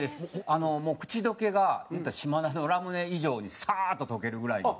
あのもう口溶けが島田のラムネ以上にサーッと溶けるぐらいの。